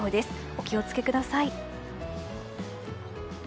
お気を付けください。